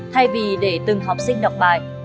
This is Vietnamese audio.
thay vì để từng học sinh đọc bài